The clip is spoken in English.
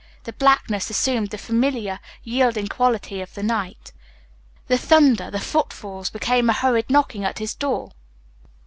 The blackness assumed the familiar, yielding quality of the night. The thunder, the footfalls, became a hurried knocking at his door.